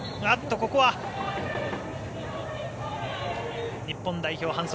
ここは日本代表、反則。